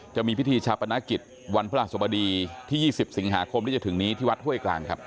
จะมีพิธีชาปนกิจวันพระหัสบดีที่๒๐สิงหาคมที่จะถึงนี้ที่วัดห้วยกลางครับ